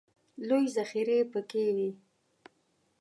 لویې ذخیرې پکې وې.